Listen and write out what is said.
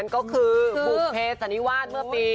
ก็คือบุภเพสันนิวาสเมื่อปี